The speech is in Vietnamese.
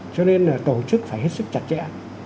cho nên là tổ chức phải hết sức chặt chẽ